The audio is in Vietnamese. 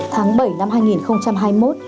tháng bảy năm hai nghìn hai mươi một